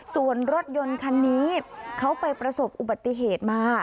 ส่วนรถยนต์คันนี้เขาไปประสบอุบัติเหตุมา